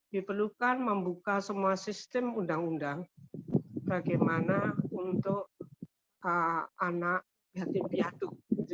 diperlukan membuka semua sistem undang undang bagaimana untuk anak yatim piatu